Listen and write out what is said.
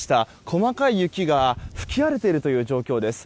細かい雪が吹き荒れているという状況です。